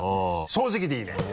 正直でいいね。